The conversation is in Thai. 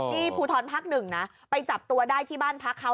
นี่ภูทรภักดิ์หนึ่งนะไปจับตัวได้ที่บ้านพักเขา